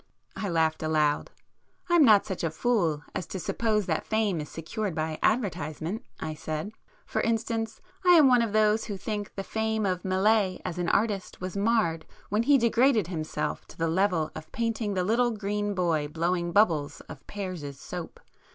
I laughed aloud. "I'm not such a fool as to suppose that fame is secured by advertisement," I said—"For instance I am one of those who think the fame of Millais as an artist was marred when he degraded himself to the level of painting the little green boy blowing bubbles of Pears's Soap.